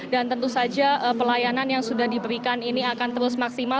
dan tentu saja pelayanan yang sudah diberikan ini akan terus maksimal